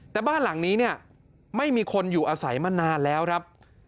แต่บ้านหลังนี้เนี่ยไม่มีคนอยู่อาศัยมานานแล้วครับ